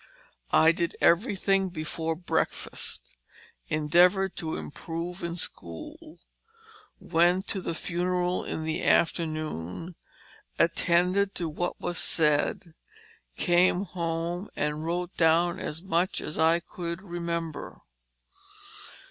I did everything before breakfast; endeavored to improve in school; went to the funeral in the afternoon, attended to what was said, came home and wrote down as much as I could remember.